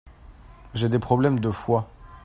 J'ai des problèmes de foie.